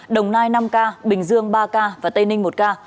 đồng nai năm ca bình dương ba ca và tây ninh một ca